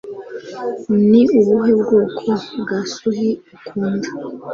Ni ubuhe bwoko bwa sushi ukunda?